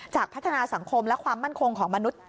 พัฒนาสังคมและความมั่นคงของมนุษย